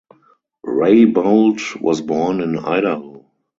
Raybould was born in Idaho.